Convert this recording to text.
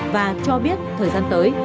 và cho biết thời gian tới